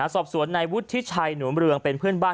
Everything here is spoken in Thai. สอบสวนนายวุฒิชัยหนุมเรืองเป็นเพื่อนบ้าน